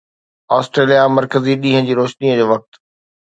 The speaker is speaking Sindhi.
آسٽريليا مرڪزي ڏينهن جي روشني جو وقت